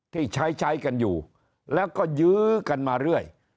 ที่ใช้ใช้กันอยู่แล้วก็ยื้อกันมาเรื่อย